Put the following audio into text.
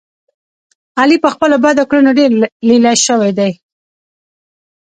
علي په خپلو بدو کړنو ډېر لیله شو دی.